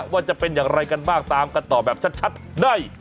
ว่าจะเป็นอย่างไรกันบ้างตามกันต่อแบบชัดใน